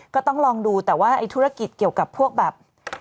ก็ต้องลองดูแต่ว่าไอ้ธุรกิจเกี่ยวกับพวกแบบ